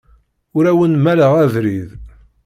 Ur awen-mmaleɣ abrid.